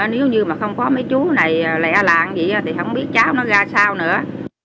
nếu như không có mấy chú này lẻ lạng gì thì không biết cháu nó ra sao nữa